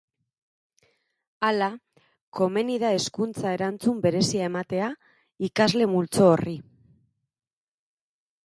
Hala, komeni da hezkuntza-erantzun berezia ematea ikasle multzo horri.